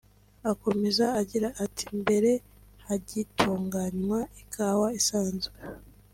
Akomeza agira ati “Mbere hagitunganywa ikawa isanzwe